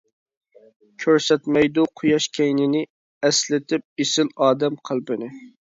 كۆرسەتمەيدۇ قۇياش كەينىنى، ئەسلىتىپ ئېسىل ئادەم قەلبىنى.